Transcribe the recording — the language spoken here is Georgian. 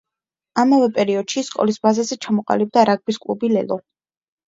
ამავე პერიოდში, სკოლის ბაზაზე ჩამოყალიბდა რაგბის კლუბი ლელო.